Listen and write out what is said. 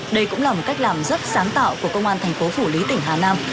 đây cũng là một cách làm rất sáng tạo của công an thành phố phủ lý tỉnh hà nam